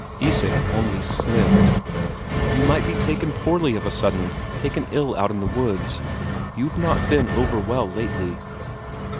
Isak only sniffed. "You might be taken poorly of a sudden, taken ill out in the woods you've not been over well lately."